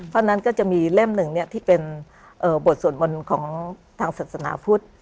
เพราะฉะนั้นก็จะมีเล่มหนึ่งที่เป็นบทสวดมนต์ของทางศาสนาพุทธ